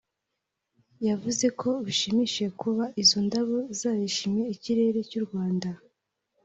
yavuze ko bishimishije kuba izo ndabo zarishimiye ikirere cy’u Rwanda